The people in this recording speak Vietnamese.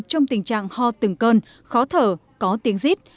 trong tình trạng ho từng cơn khó thở có tiếng dít